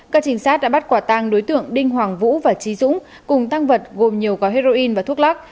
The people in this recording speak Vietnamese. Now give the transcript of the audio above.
các trinh sát đã bắt quả tăng đối tượng đinh hoàng vũ và trí dũng cùng tăng vật gồm nhiều gói heroin và thuốc lắc